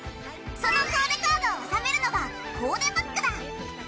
そのコーデカードを納めるのがコーデブックだ。